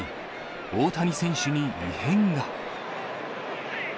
大谷選手に異変が。